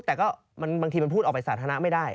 แต่ก็บางทีมันพูดออกไปสาธารณะไม่ได้